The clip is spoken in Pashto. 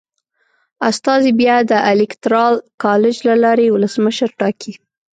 استازي بیا د الېکترال کالج له لارې ولسمشر ټاکي.